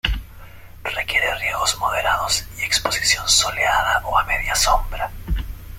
Requiere riegos moderados y exposición soleada o a media sombra.